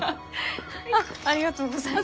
ありがとうございます。